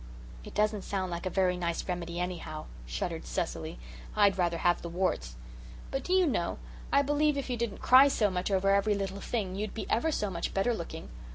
"It doesn't sound like a very nice remedy, anyhow," shuddered Cecily. "I'd rather have the warts. But do you know, I believe if you didn't cry so much over every little thing, you'd be ever so much better looking.